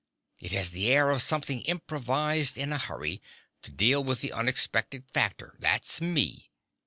It has the air of something improvised in a hurry, to deal with the unexpected factor; that's me.